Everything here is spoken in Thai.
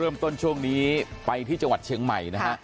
เริ่มต้นช่วงนี้ไปที่จังหวัดเชียงใหม่